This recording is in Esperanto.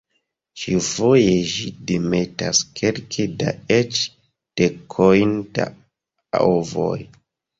Ĉiufoje ĝi demetas kelke da eĉ dekojn da ovoj.